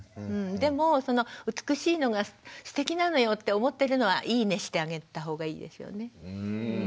でも美しいのがすてきなのよって思ってるのはいいねしてあげた方がいいですよね。